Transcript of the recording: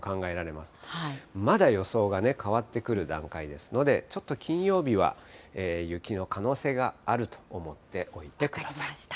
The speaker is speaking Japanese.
まだ予想が変わってくる段階ですので、ちょっと金曜日は雪の可能性があると思っておいてください。